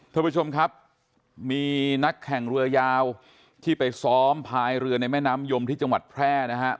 ท่านผู้ชมครับมีนักแข่งเรือยาวที่ไปซ้อมพายเรือในแม่น้ำยมที่จังหวัดแพร่นะฮะ